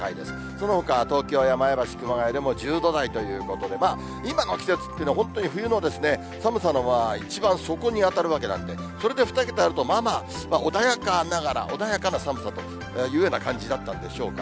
そのほか東京や前橋、熊谷でも１０度台ということで、今の季節っていうのは、本当に冬の寒さの一番底に当たるわけなんで、それで２桁あると、まあまあ、穏やかながら、穏やかな寒さというような感じだったんでしょうか。